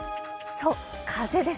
そう、風です。